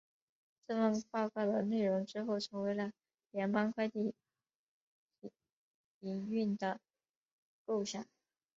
这份报告的内容之后成为了联邦快递营运的构想。